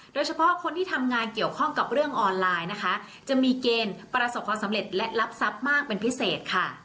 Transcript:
โดยเฉพาะคนที่ทำงานเกี่ยวข้องกับเรื่องออนไลน์นะคะจะมีเกณฑ์ประสบความสำเร็จและรับทรัพย์มากเป็นพิเศษค่ะ